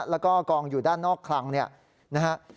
แล้วก็กองอยู่ด้านนอกคลังเนี่ยนะฮะ